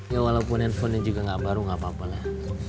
ya walaupun handphonenya juga gak baru gak apa apalah